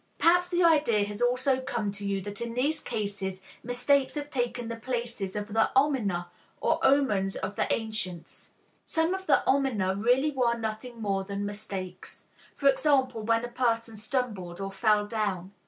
Perhaps the idea has also come to you that in these cases mistakes have taken the place of the Omina or omens of the ancients. Some of the Omina really were nothing more than mistakes; for example, when a person stumbled or fell down.